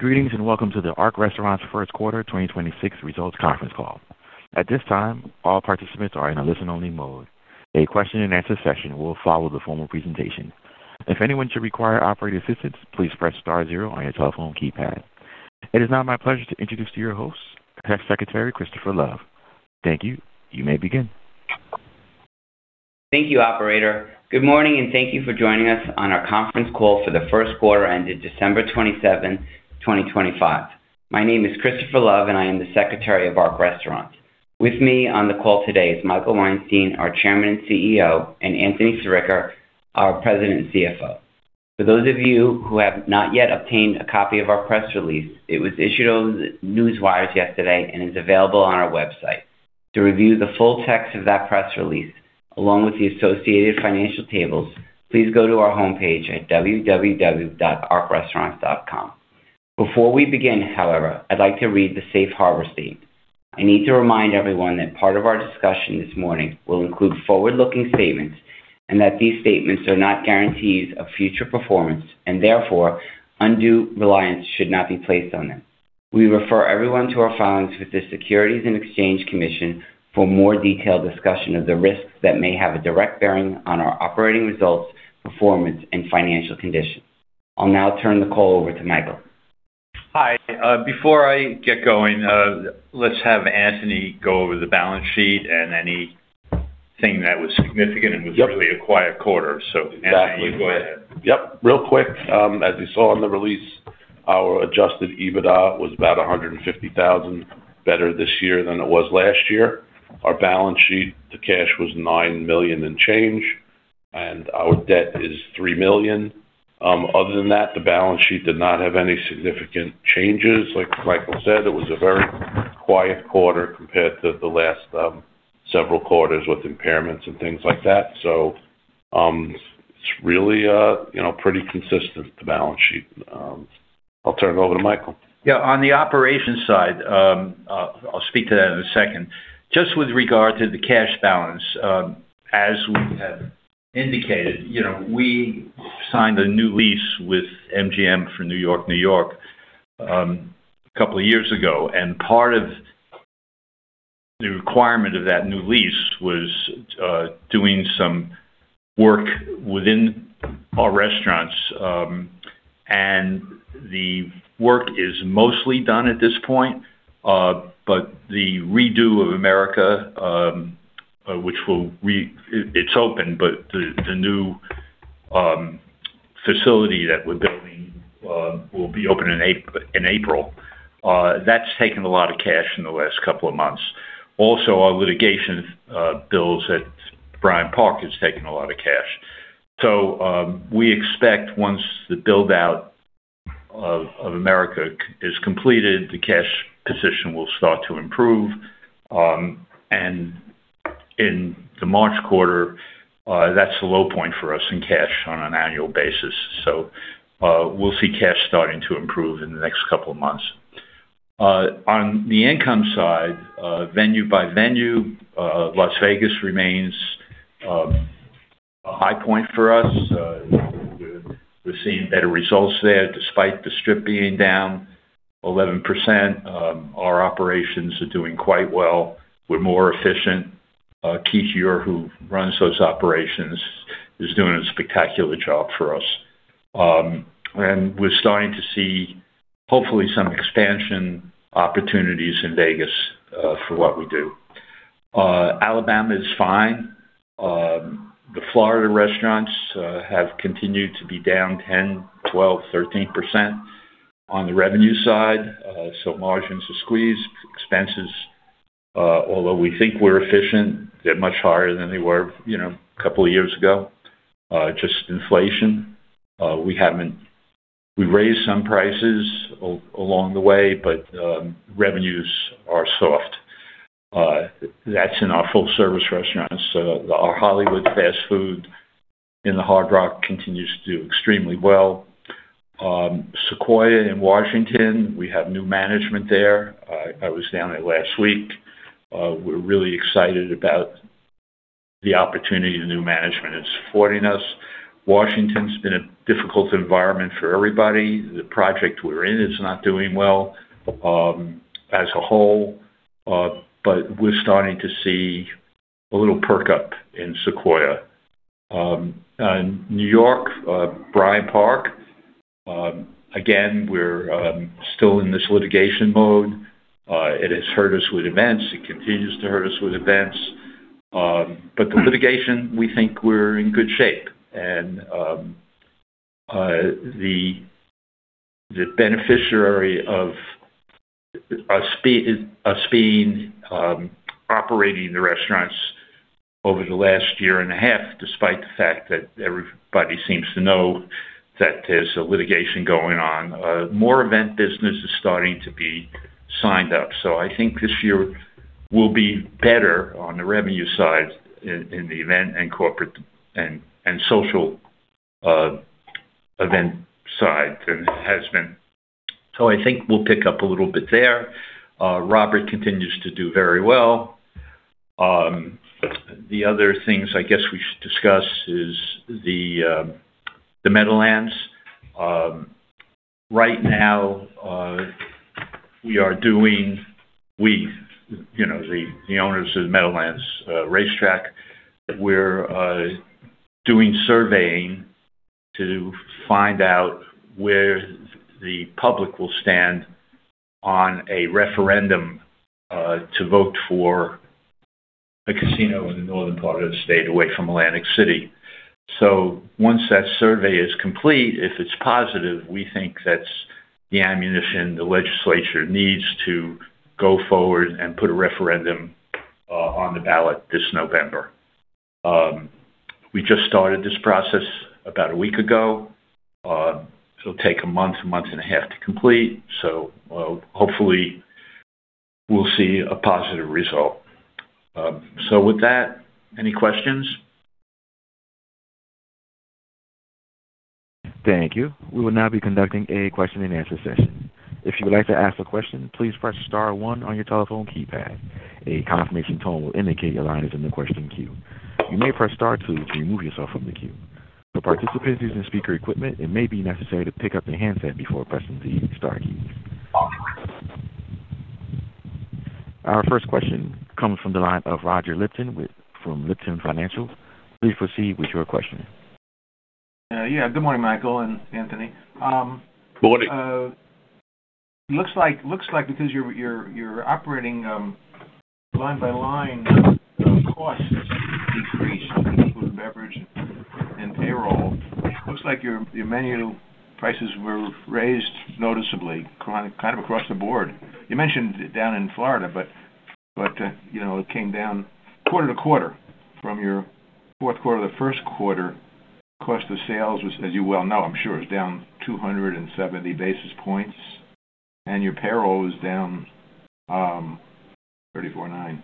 Greetings, and welcome to the Ark Restaurants Q1 2026 results conference call. At this time, all participants are in a listen-only mode. A question and answer session will follow the formal presentation. If anyone should require operating assistance, please press star zero on your telephone keypad. It is now my pleasure to introduce to you your host, Secretary Christopher Love. Thank you. You may begin. Thank you, operator. Good morning, and thank you for joining us on our conference call for the Q1 ended December twenty-seven, twenty twenty-five. My name is Christopher Love, and I am the Secretary of Ark Restaurants. With me on the call today is Michael Weinstein, our Chairman and CEO, and Anthony Sirica, our President and CFO. For those of you who have not yet obtained a copy of our press release, it was issued on the newswires yesterday and is available on our website. To review the full text of that press release, along with the associated financial tables, please go to our homepage at www.arkrestaurants.com. Before we begin, however, I'd like to read the Safe Harbor statement. I need to remind everyone that part of our discussion this morning will include forward-looking statements and that these statements are not guarantees of future performance and therefore undue reliance should not be placed on them. We refer everyone to our filings with the Securities and Exchange Commission for more detailed discussion of the risks that may have a direct bearing on our operating results, performance, and financial conditions. I'll now turn the call over to Michael. Hi. Before I get going, let's have Anthony go over the balance sheet and anything that was significant. Yep. It was really a quiet quarter, so Anthony, go ahead. Yep. Real quick, as you saw in the release, our Adjusted EBITDA was about $150,000 better this year than it was last year. Our Balance Sheet, the cash was $9 million and change, and our debt is $3 million. Other than that, the Balance Sheet did not have any significant changes. Like Michael said, it was a very quiet quarter compared to the last several quarters with impairments and things like that. So, it's really, you know, pretty consistent, the Balance Sheet. I'll turn it over to Michael. Yeah, on the operations side, I'll speak to that in a second. Just with regard to the cash balance, as we have indicated, you know, we signed a new lease with MGM for New York-New York a couple of years ago, and part of the requirement of that new lease was doing some work within our restaurants. And the work is mostly done at this point, but the redo of America, it's open, but the new facility that we're building will be open in April. That's taken a lot of cash in the last couple of months. Also, our litigation bills at Bryant Park has taken a lot of cash. So, we expect once the build-out of America is completed, the cash position will start to improve. And in the March quarter, that's the low point for us in cash on an annual basis. So, we'll see cash starting to improve in the next couple of months. On the income side, venue by venue, Las Vegas remains a high point for us. We're seeing better results there, despite the Strip being down 11%. Our operations are doing quite well. We're more efficient. Keith Eure, who runs those operations, is doing a spectacular job for us. And we're starting to see, hopefully, some expansion opportunities in Vegas, for what we do. Alabama is fine. The Florida restaurants have continued to be down 10%, 12%, 13% on the revenue side. So margins are squeezed. Expenses, although we think we're efficient, they're much higher than they were, you know, a couple of years ago. Just inflation. We haven't—we raised some prices along the way, but revenues are soft. That's in our full-service restaurants. Our Hollywood fast food in the Hard Rock continues to do extremely well. Sequoia in Washington, we have new management there. I was down there last week. We're really excited about the opportunity. The new management is supporting us. Washington's been a difficult environment for everybody. The project we're in is not doing well, as a whole, but we're starting to see a little perk up in Sequoia. And New York, Bryant Park, again, we're still in this litigation mode. It has hurt us with events. It continues to hurt us with events, but the litigation, we think we're in good shape and, the beneficiary of us being operating the restaurants over the last year and a half, despite the fact that everybody seems to know that there's a litigation going on, more event business is starting to be signed up. So I think this year will be better on the revenue side in the event and corporate and social event side than it has been. So I think we'll pick up a little bit there. Robert continues to do very well. The other things I guess we should discuss is the Meadowlands. Right now, we are doing, you know, the owners of the Meadowlands Racetrack. We're doing surveying to find out where the public will stand on a referendum to vote for a casino in the northern part of the state, away from Atlantic City. So once that survey is complete, if it's positive, we think that's the ammunition the legislature needs to go forward and put a referendum on the ballot this November. We just started this process about a week ago. It'll take a month, a month and a half to complete, so hopefully we'll see a positive result. So with that, any questions? Thank you. We will now be conducting a question-and-answer session. If you would like to ask a question, please press star one on your telephone keypad. A confirmation tone will indicate your line is in the question queue. You may press star two to remove yourself from the queue. For participants using speaker equipment, it may be necessary to pick up the handset before pressing the star key. Our first question comes from the line of Roger Lipton with Lipton Financial. Please proceed with your question. Yeah. Good morning, Michael and Anthony. Good morning. Looks like because you're operating line by line, costs decreased food and beverage and payroll. Looks like your menu prices were raised noticeably, kind of across the board. You mentioned down in Florida, but you know, it came down quarter-over-quarter from your Q4 to the Q1. Cost of sales was, as you well know, I'm sure, is down 270 basis points, and your payroll is down 349.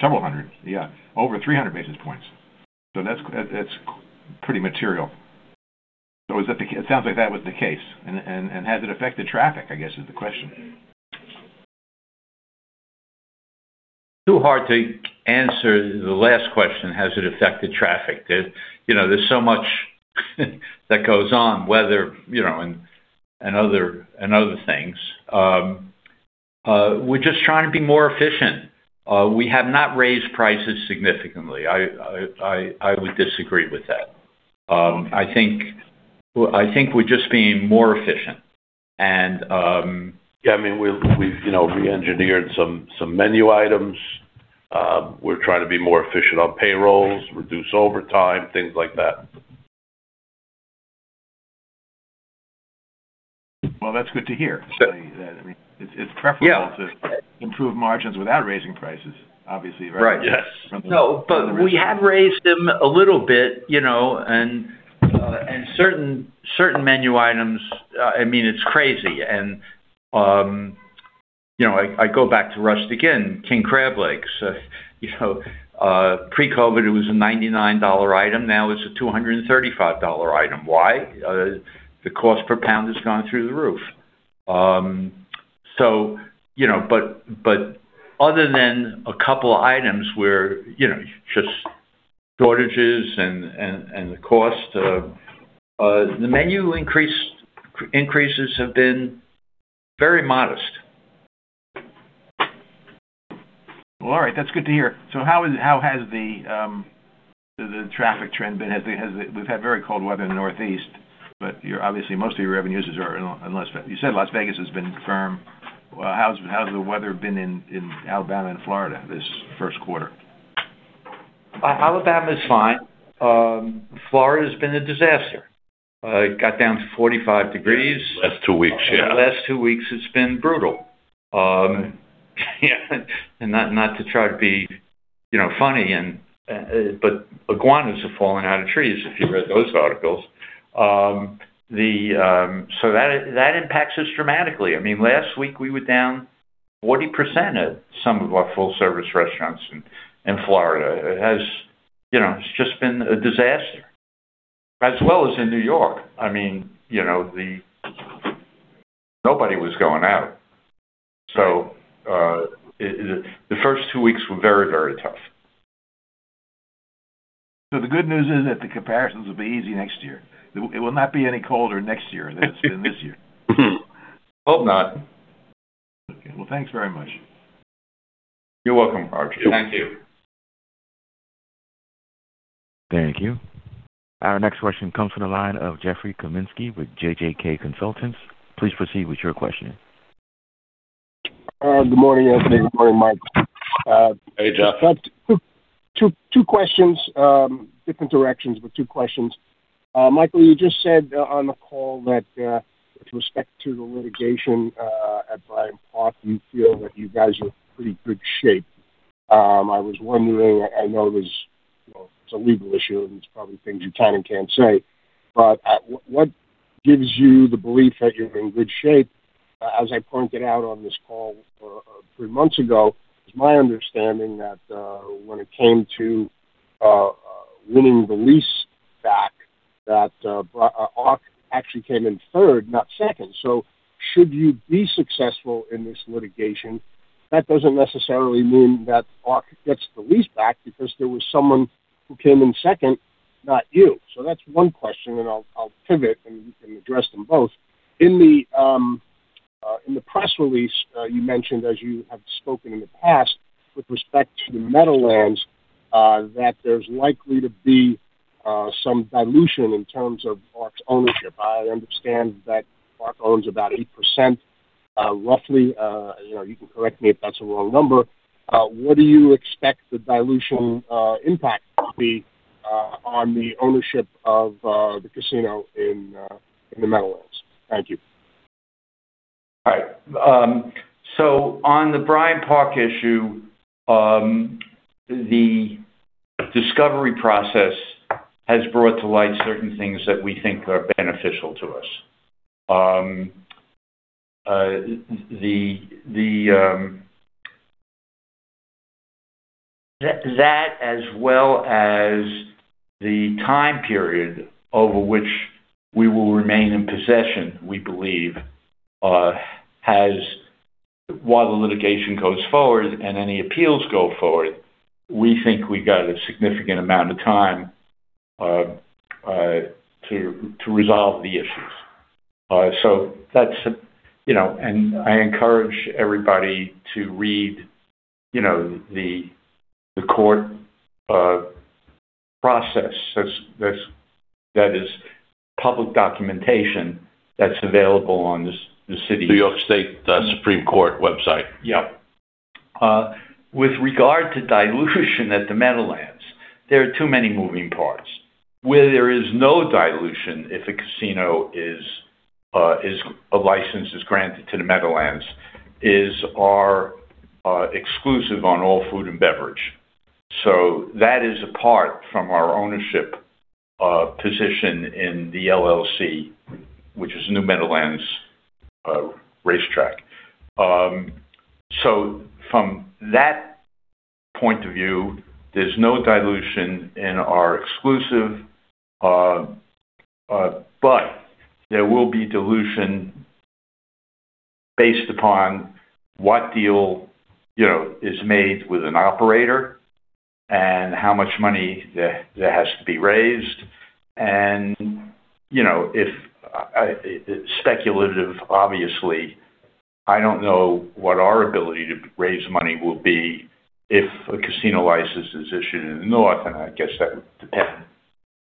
Several hundred, yeah, over 300 basis points. So that's pretty material. So is that the? It sounds like that was the case, and has it affected traffic, I guess, is the question? Too hard to answer the last question, has it affected traffic? There's, you know, there's so much that goes on, weather, you know, and other things. We're just trying to be more efficient. We have not raised prices significantly. I would disagree with that. I think we're just being more efficient. And- Yeah, I mean, we've you know, reengineered some menu items. We're trying to be more efficient on payrolls, reduce overtime, things like that. Well, that's good to hear. Sure. I mean, it's preferable- Yeah. -to improve margins without raising prices, obviously, right? Right. Yes. No, but we have raised them a little bit, you know, and certain menu items, I mean, it's crazy. And, you know, I go back to Rustic and king crab legs. You know, pre-COVID, it was a $99 item. Now it's a $235 item. Why? The cost per pound has gone through the roof. So, you know, but other than a couple of items where, you know, just shortages and the cost of the menu increases have been very modest. Well, all right. That's good to hear. So how is, how has the traffic trend been? Has the... We've had very cold weather in the Northeast, but you're obviously, most of your revenues are in Las Vegas. You said Las Vegas has been firm. Well, how's the weather been in Alabama and Florida this Q1? Alabama is fine. Florida has been a disaster. It got down to 45 degrees. Last two weeks, yeah. The last two weeks, it's been brutal. Yeah, and not to try to be, you know, funny, but iguanas are falling out of trees, if you read those articles. So that impacts us dramatically. I mean, last week we were down 40% at some of our full-service restaurants in Florida. It has, you know, it's just been a disaster, as well as in New York. I mean, you know, nobody was going out. So, the first two weeks were very, very tough. The good news is that the comparisons will be easy next year. It will not be any colder next year than it's been this year. Hope not. Okay. Well, thanks very much. You're welcome, Roger. Thank you. Thank you. Our next question comes from the line of Jeffrey Kaminsky with JJK Consultants. Please proceed with your question. Good morning, Anthony. Good morning, Mike. Hey, Jeff. Two questions, different directions, but two questions. Michael, you just said on the call that, with respect to the litigation, at Bryant Park, you feel that you guys are in pretty good shape. I was wondering, I know there's, you know, it's a legal issue, and there's probably things you can and can't say, but, what gives you the belief that you're in good shape? As I pointed out on this call, three months ago, it's my understanding that, when it came to, winning the lease, that, Ark actually came in third, not second. So should you be successful in this litigation, that doesn't necessarily mean that Ark gets the lease back because there was someone who came in second, not you. So that's one question, and I'll pivot and address them both. In the press release, you mentioned, as you have spoken in the past, with respect to the Meadowlands, that there's likely to be some dilution in terms of Ark's ownership. I understand that Ark owns about 8%, roughly. You know, you can correct me if that's a wrong number. What do you expect the dilution impact to be on the ownership of the casino in the Meadowlands? Thank you. All right. So on the Bryant Park issue, the discovery process has brought to light certain things that we think are beneficial to us. That as well as the time period over which we will remain in possession, we believe, has while the litigation goes forward and any appeals go forward, we think we got a significant amount of time to resolve the issues. So that's, you know, and I encourage everybody to read, you know, the court process. That's, that is public documentation that's available on the c- the city- New York State Supreme Court website. Yeah. With regard to dilution at the Meadowlands, there are too many moving parts. Where there is no dilution, if a casino is, is a license is granted to the Meadowlands, is our exclusive on all food and beverage. So that is apart from our ownership position in the LLC, which is New Meadowlands Racetrack. So from that point of view, there's no dilution in our exclusive, but there will be dilution based upon what deal, you know, is made with an operator and how much money that has to be raised. You know, if speculative, obviously, I don't know what our ability to raise money will be if a casino license is issued in the North, and I guess that would depend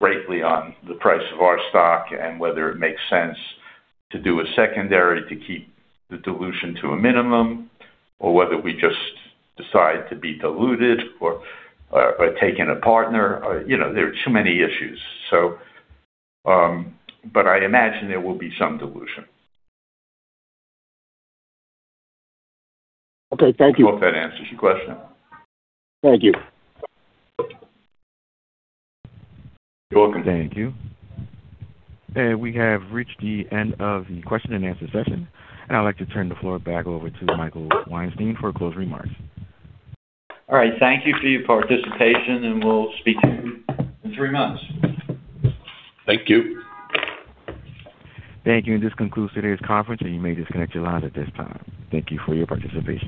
greatly on the price of our stock and whether it makes sense to do a secondary to keep the dilution to a minimum, or whether we just decide to be diluted or taking a partner. You know, there are too many issues, so, but I imagine there will be some dilution. Okay. Thank you. I hope that answers your question. Thank you. You're welcome. Thank you. And we have reached the end of the question and answer session, and I'd like to turn the floor back over to Michael Weinstein for closing remarks. All right. Thank you for your participation, and we'll speak to you in three months. Thank you. Thank you. This concludes today's conference, and you may disconnect your line at this time. Thank you for your participation.